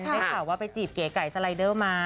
ไม่เฉาว่าไปจีบเก๋ไก่สไลด์เดอร์มา